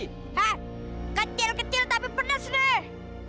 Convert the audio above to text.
hei kecil kecil tapi pedas nih